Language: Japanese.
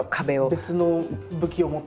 別の武器を持って。